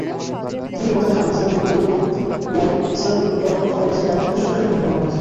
তিনি ও তার স্বামী ইসলামি বিপ্লবের পূর্ববর্তী ও ইসলামি বিপ্লব চলাকালীন সময়ে দেশটির রাজনীতিতে সক্রিয় ভূমিকা পালন করেছিলেন।